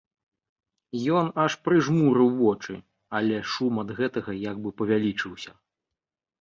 Ён аж прыжмурыў вочы, але шум ад гэтага як бы павялічыўся.